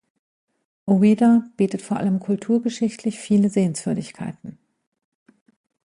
Ouidah bietet vor allem kulturgeschichtlich viele Sehenswürdigkeiten.